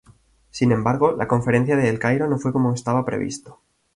Sin embargo, la conferencia de El Cairo no fue como estaba previsto.